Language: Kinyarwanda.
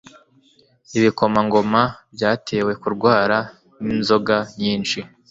ibikomangoma byatewe kurwara n inzoga nyinshi